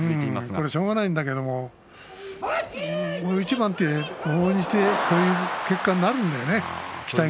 これはしょうがないんだけれどもこういう一番は往々にしてこういう結果になるんだよね